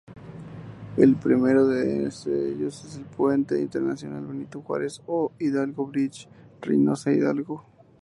El primero de ellos es el Puente Internacional "Benito Juárez" o ""Hidalgo Bridge"" Reynosa-Hidalgo.